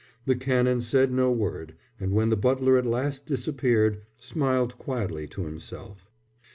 The Canon said no word, and when the butler at last disappeared smiled quietly to himself.